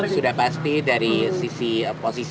sudah pasti dari sisi posisi